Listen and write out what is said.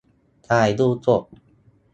- ถ่ายดูสด